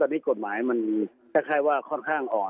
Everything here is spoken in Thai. อันนี้กฎหมายค่อนข้างอ่อน